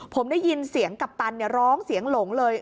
ผมได้ยินเสียงกัปตันร้องเสียงหลงเลย